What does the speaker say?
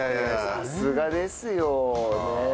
さすがですよ！ねえ。